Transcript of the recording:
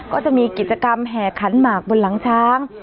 ก็จะมีกิจกรรมแห่ขันหมากบนหลังช้าง